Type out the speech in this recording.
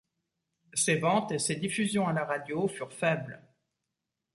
Ses ventes et ses diffusions à la radio furent faibles.